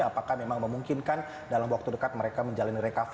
apakah memang memungkinkan dalam waktu dekat mereka menjalani recovery